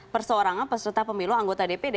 perseorangan peserta pemilu anggota dpd